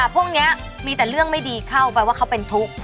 พวกนี้มีแต่เรื่องไม่ดีเข้าแปลว่าเขาเป็นทุกข์